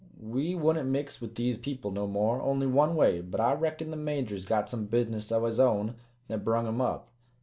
We wouldn't mix with these people no more only one way but I reckon the Major's got some business o' his own that brung him up.